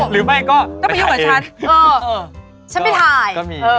หรือไม่ก็ไปถ่ายเองน้องรุ๊ดฉันไม่ถ่าย